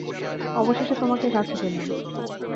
অবশেষে তোমাকে কাছে পেলাম!